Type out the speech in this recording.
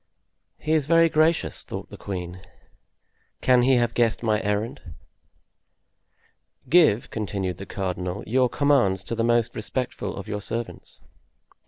"He is very gracious," thought the queen; "can he have guessed my errand?" "Give," continued the cardinal, "your commands to the most respectful of your servants."